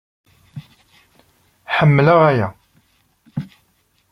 Ḥemmleɣ aya.